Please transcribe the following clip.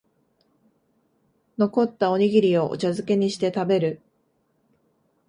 残ったおにぎりをお茶づけにして食べる